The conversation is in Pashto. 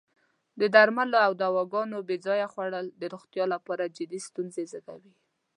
د درملو او دواګانو بې ځایه خوړل د روغتیا لپاره جدی ستونزې زېږوی.